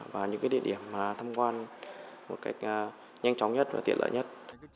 và những địa điểm thăm quan một cách nhanh chóng nhất và tiện lợi nhất